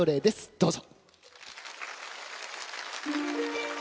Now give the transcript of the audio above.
どうぞ。